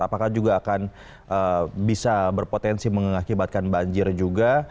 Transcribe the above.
apakah juga akan bisa berpotensi mengakibatkan banjir juga